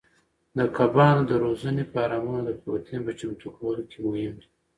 د کبانو د روزنې فارمونه د پروتین په چمتو کولو کې مهم دي.